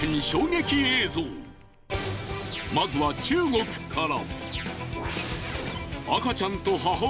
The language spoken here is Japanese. まずは中国から。